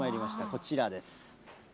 こちらです。